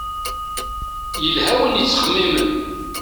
Yelha win yettxemmimen.